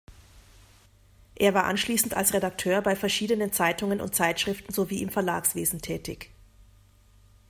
Er war anschließend als Redakteur bei verschiedenen Zeitungen und Zeitschriften sowie im Verlagswesen tätig.